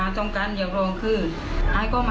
โดยโดยโดย